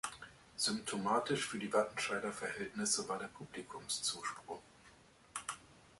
Symptomatisch für die Wattenscheider Verhältnisse war der Publikumszuspruch.